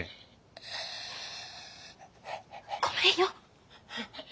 ごめんよ。